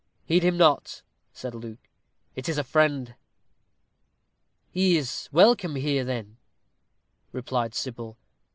"Heed him not," said Luke; "it is a friend." "He is welcome here then," replied Sybil.